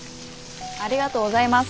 ありがとうございます。